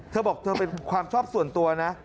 เธอบอกเธอเป็นความชอบส่วนตัวนะ